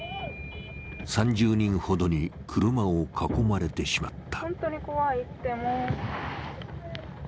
３０人ほどに車を囲まれてしまった。